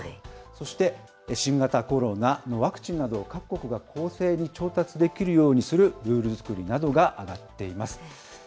そして、新型コロナのワクチンなどを各国が公正に調達できるようにするルール作りなどが挙がっています。